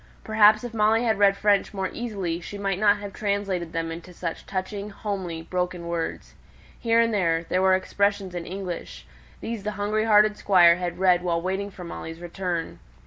Perhaps if Molly had read French more easily she might not have translated them into such touching, homely, broken words. Here and there, there were expressions in English; these the hungry hearted Squire had read while waiting for Molly's return.